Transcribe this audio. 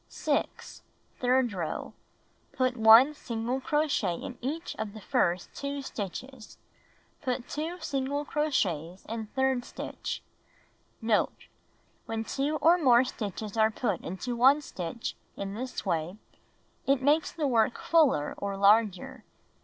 6. Third row: Put 1 single crochet in each of the first 2 stitches. Put 2 single crochets in third stitch. Note. — Wlien 2 or more stitches are put into 1 stitch in this way, it makes the work fuller or larger.